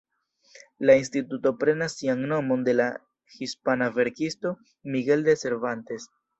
La instituto prenas sian nomon de la hispana verkisto Miguel de Cervantes.